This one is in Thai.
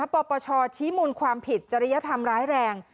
ปปชชี้มูลความผิดจริยธรรมร้ายแรง